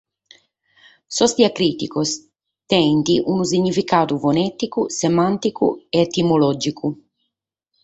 Sos diacrìticos tenent unu significadu fonèticu, semànticu e etimològicu.